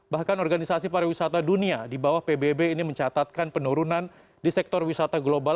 bahkan organisasi pariwisata dunia di bawah pbb ini mencatatkan penurunan di sektor wisata global